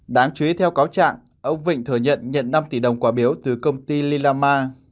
đáng chú ý theo cáo trạng ông vịnh thừa nhận nhận năm tỷ đồng quả biếu từ công ty lilama